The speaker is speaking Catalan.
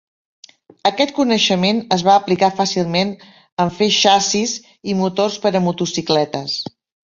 Aquest coneixement es va aplicar fàcilment en fer xassís i motors per a motocicletes.